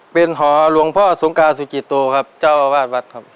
เป็นหอหลวงพ่อสงกาสุกิโตครับเจ้าอาวาสวัดครับ